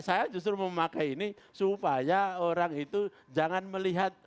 saya justru memakai ini supaya orang itu jangan melihat